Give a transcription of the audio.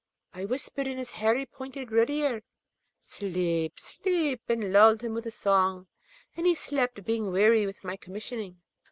I whispered in his hairy pointed red ear, 'Sleep! sleep!' and lulled him with a song, and he slept, being weary with my commissioning.